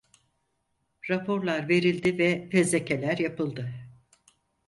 Raporlar verildi ve fezlekeler yapıldı.